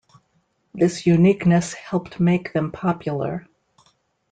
This uniqueness helped make them popular.